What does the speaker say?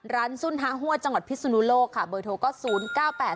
ร้านสุ่นฮาหัวจังหวัดพิศนุโลกค่ะเบอร์โทรก็๐๙๘๒๗๑๙๕๒๙ค่ะ